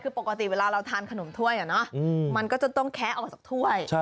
คือปกติเวลาเราทานขนมถ้วยมันก็จะต้องแคะออกจากถ้วย